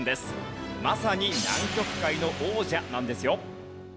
まさに南極海の王者なんですよ。